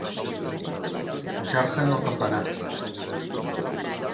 Pujar-se'n al campanar.